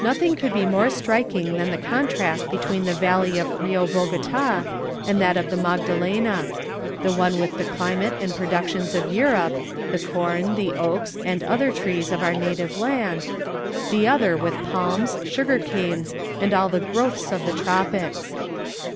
Nothing could be more striking than the contrast between the valley of the Rio Bogota and that of the Magdalena: the one with the climate and productions of Europe, the corn, the oaks and other trees of our native land; the other with palms, sugar canes, and all the growths of the tropics.